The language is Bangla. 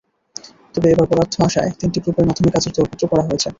তবে এবার বরাদ্দ আসায় তিনটি গ্রুপের মাধ্যমে কাজের দরপত্র করা হয়েছে।